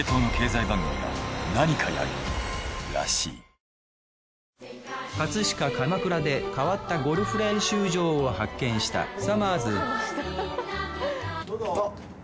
ＪＴ飾鎌倉で変わったゴルフ練習場を発見したさまぁずどうぞ。